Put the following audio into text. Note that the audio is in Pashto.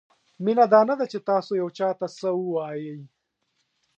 مینه دا نه ده چې تاسو یو چاته څه ووایئ.